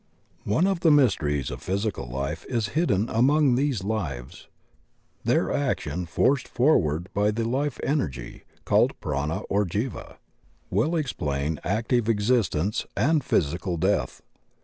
One of the mysteries of physical life is hidden among these "lives." Their action forced forward by the Life energy — called Prana or Jiva — ^will explain active existence and physical death.